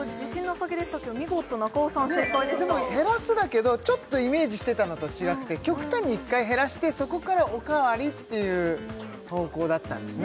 でも「減らす」だけどちょっとイメージしてたのと違って極端に１回減らしてそこからおかわりっていう方向だったんですね